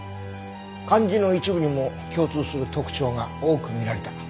漢字の一部にも共通する特徴が多く見られた。